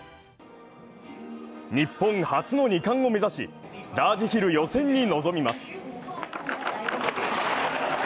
日本初の２冠を目指しラージヒル予選に臨みます。